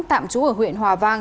tạm trú ở huyện hòa vang